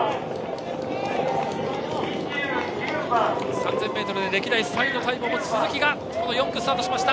３０００ｍで歴代３位のタイムを持つ鈴木が４区、スタートしました。